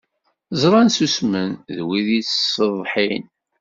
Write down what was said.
Ẓṛan, ssusmen, d wid yettṣeḍḥin.